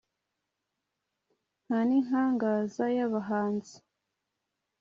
nta n' inkangaza y' abahanzi